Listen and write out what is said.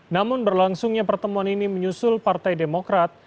namun berlangsungnya pertemuan ini menyusul partai demokrat